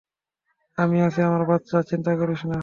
আমি আছি, আমার বাচ্চা, চিন্তা করিস না।